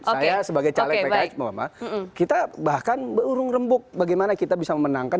saya sebagai caleg pks kita bahkan berurung rembuk bagaimana kita bisa memenangkan